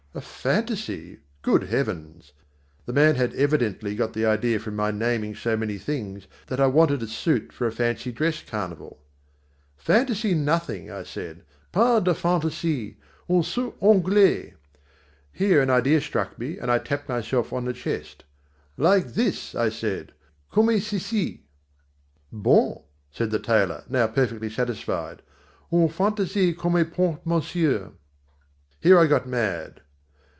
A fantasy! Good heavens! The man had evidently got the idea from my naming so many things that I wanted a suit for a fancy dress carnival. "Fantasy nothing!" I said "pas de fantaisie! un soot anglais" here an idea struck me and I tapped myself on the chest "like this," I said, "comme ceci." "Bon," said the tailor, now perfectly satisfied, "une fantaisie comme porte monsieur." Here I got mad.